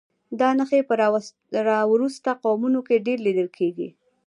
دا نښې په راوروسته قومونو کې ډېرې لیدل کېږي.